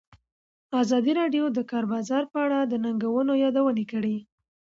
ازادي راډیو د د کار بازار په اړه د ننګونو یادونه کړې.